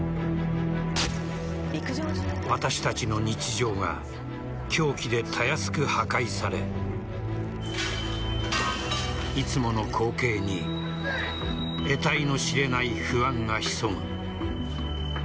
私たちの日常が凶器でたやすく破壊されいつもの光景に得体の知れない不安が潜む。